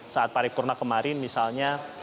saat pari kurna kemarin misalnya